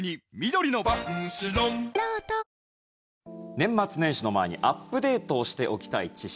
年末年始の前にアップデートをしておきたい知識